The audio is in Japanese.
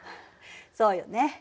そうよね。